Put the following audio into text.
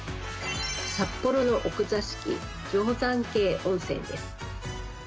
札幌の奥座敷、定山渓温泉です。